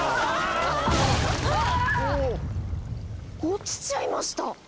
落ちちゃいました！